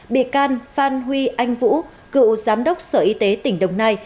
bị can phan huy anh vũ cựu giám đốc sở y tế tỉnh đồng nai